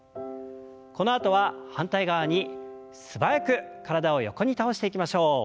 このあとは反対側に素早く体を横に倒していきましょう。